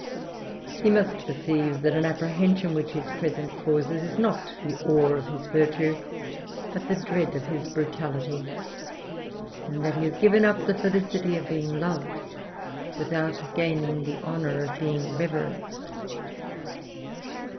He must perceive "ia| the apprehension which his presence causes is not the ^'v* of his virtue, but the dread of his brutality, and that he ■•^ given up the felicity of being loved, without gaining the "onour of being reverenced